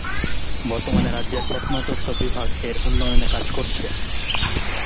বর্তমানে রাজ্যের প্রত্নতত্ত্ব বিভাগ এর উন্নয়নে কাজ করছে।